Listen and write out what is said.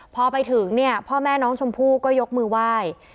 พอไปถึงเนี่ยพ่อแม่น้องชมพู่ก็ยกมือไหว้